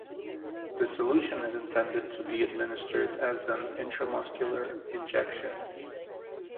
The solution is intended to be administered as an intramuscular injection.